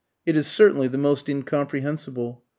It is certainly the most incomprehensible.